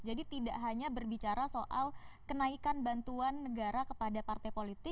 jadi tidak hanya berbicara soal kenaikan bantuan negara kepada partai politik